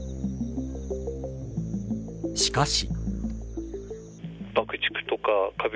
しかし。